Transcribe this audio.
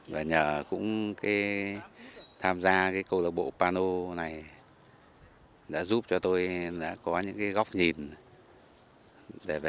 và nhờ cũng tham gia câu lạc bộ pano này đã giúp cho tôi có những góc nhìn về nhấp ảnh cũng như tình yêu và lòng say mê